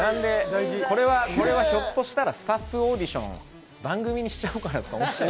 これはひょっとしたらスタッフオーディションを番組にしちゃおうかなと。